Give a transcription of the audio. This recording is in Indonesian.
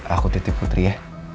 aku titip putri ya